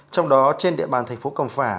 trong đó trên địa bàn thành phố cầm pháp